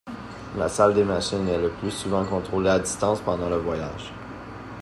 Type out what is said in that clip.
La salle des machines est le plus souvent contrôlée à distance pendant le voyage.